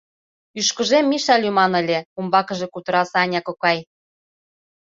— Ӱшкыжем Миша лӱман ыле, — умбакыже кутыра Саня кокай.